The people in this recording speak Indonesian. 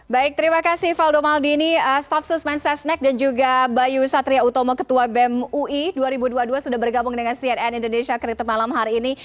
baik terima kasih faldo maldini staf susman sesnek dan juga bayu satria utomo ketua bem ui dua ribu dua puluh dua sudah bergabung dengan cnn indonesia kriptop malam hari ini